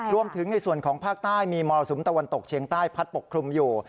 รวมถึงในส่วนของภาคใต้มีมรสุมตะวันตกเชียงใต้พัดปกคลุมอยู่